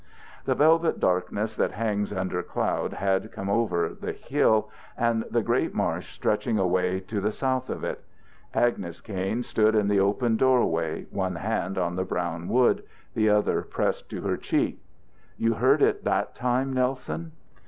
The velvet darkness that hangs under cloud had come down over the hill and the great marsh stretching away to the south of it. Agnes Kain stood in the open doorway, one hand on the brown wood, the other pressed to her cheek. "You heard it that time, Nelson?"